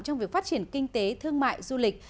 trong việc phát triển kinh tế thương mại du lịch